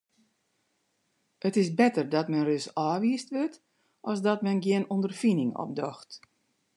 It is better dat men ris ôfwiisd wurdt as dat men gjin ûnderfining opdocht.